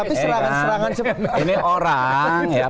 ini orang ya